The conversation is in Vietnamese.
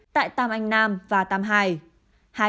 tại tàm anh nam và tàm hải